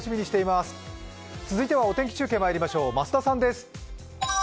続いてはお天気中継まいりましょう、増田さんです。